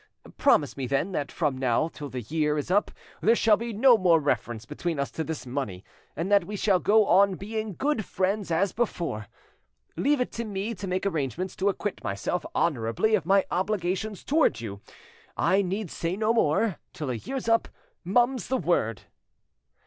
Promise me, then, that from now till the year is up there shall be no more reference between us to this money, and that we shall go on being good friends as before. Leave it to me to make arrangements to acquit myself honourably of my obligations towards you. I need say no more; till a year's up, mum's the word."